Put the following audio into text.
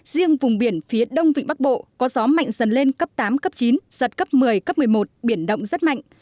riêng vùng biển phía đông vịnh bắc bộ có gió mạnh dần lên cấp tám cấp chín giật cấp một mươi cấp một mươi một biển động rất mạnh